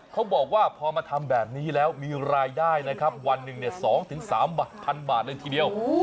เขาบอกว่าพอมาทำแบบนี้แล้วมีรายได้นะครับวันหนึ่ง๒๓บาทพันบาทเลยทีเดียว